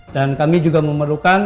dan kami juga memerlukan